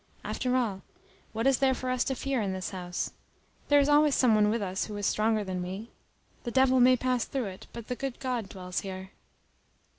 After all, what is there for us to fear in this house? There is always some one with us who is stronger than we. The devil may pass through it, but the good God dwells here.